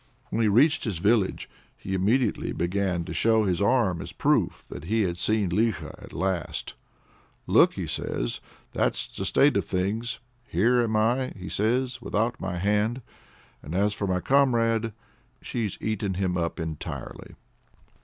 When he reached his village, he immediately began to show his arm as a proof that he had seen Likho at last. "Look," says he, "that's the state of things. Here am I," says he, "without my hand. And as for my comrade, she's eaten him up entirely."